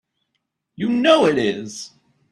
You know it is!